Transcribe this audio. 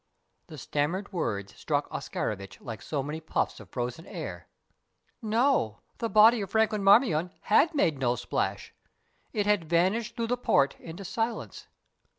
The stammered words struck Oscarovitch like so many puffs of frozen air. No, the body of Franklin Marmion had made no splash. It had vanished through the port into silence.